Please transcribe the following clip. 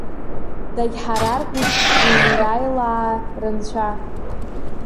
Дагьҳараркит Израилаа Рынцәа.